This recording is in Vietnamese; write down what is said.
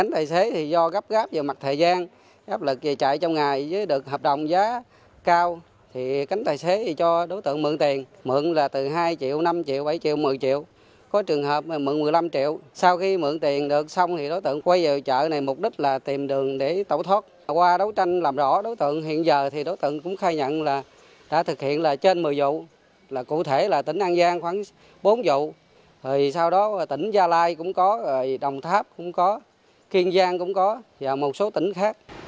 trót lọt trên một mươi vụ cụ thể là tỉnh an giang khoảng bốn vụ sau đó tỉnh gia lai cũng có đồng tháp cũng có kiên giang cũng có và một số tỉnh khác